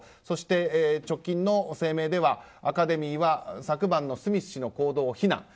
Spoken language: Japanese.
そして、直近の声明ではアカデミーは昨晩のスミス氏の行動を非難。